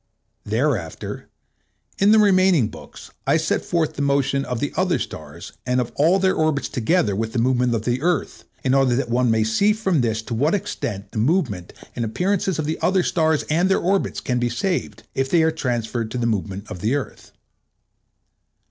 Thereafter in the remaining books, I set forth the motions of the other stars and of all their orbits together with the movement of the Earth, in order that one may see from this to what extent the movements and appearances of the other stars and their orbits can be saved, if they are transferred to the movement of the Earth.